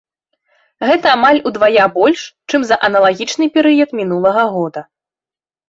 Гэта амаль удвая больш, чым за аналагічны перыяд мінулага года.